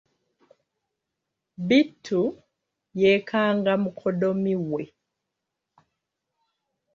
Bittu yeekanga mukoddomi we.